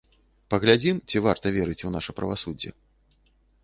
Паглядзім, ці варта верыць у наша правасуддзе.